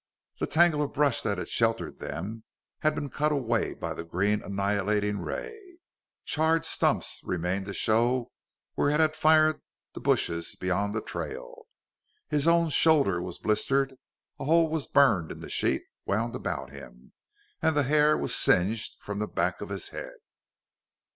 The tangle of brush that had sheltered them had been cut away by the green annihilating ray. Charred stumps remained to show where it had fired bushes beyond the trail. His own shoulder was blistered, a hole was burned in the sheet wound about him, and the hair was singed from the back of his head.